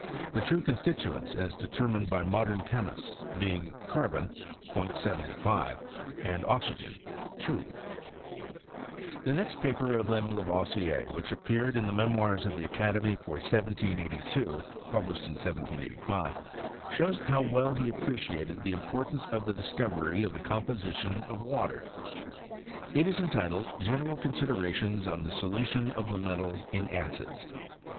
The true constituents, as determined by modem chemists^ being Carbon .. 075 Oxygen. . 200 The next paper of M, LaYoisier, which appeared in the Memoirs of the Academy, for 1782 (published in 17 So), shows how well he appreciated the im» portanoe of the discovery of the composition of water. It ts entitled, *^ General Considerations on the Solution of the Metals in Acids."